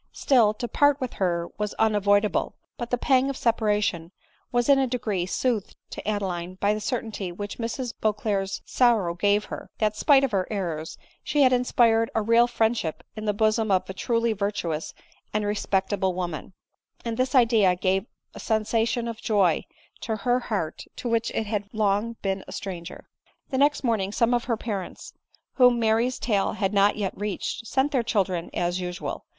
Still, to part with her was unavoid able ; but the pang of separation was in a degree soothed to Adeline by the certainty which Mrs Beauclerc's sor row gave her, that spite of her errors, she had inspired a real friendship in the bosom of a truly virtuous and re spectable woman ; and this idea gave a sensation pf joy to her heart to which it had long been a stranger. The next morning some of the parents, whom Mary's tale had not yet reached, sent their children, as usual.